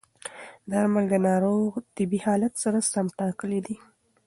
درمل د ناروغ طبي حالت سره سم ټاکل کېږي.